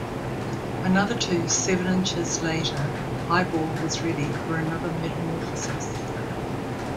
Another two seven-inches later, Piebald was ready for another metamorphosis.